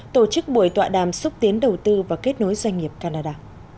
tổ chức buổi tọa đàm xúc tiến đầu tư và kết nối doanh nghiệp canada